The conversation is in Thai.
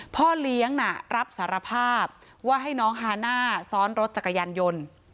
พ่อเลี้ยงน่ะรับสารภาพว่าให้น้องฮาน่าซ้อนรถจักรยานยนต์